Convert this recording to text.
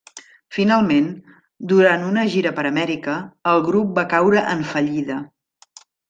Finalment, durant una gira per Amèrica, el grup va caure en fallida.